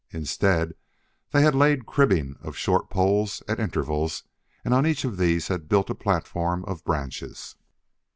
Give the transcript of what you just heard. Instead they had laid cribbing of short poles at intervals and on each of these had built a platform of branches.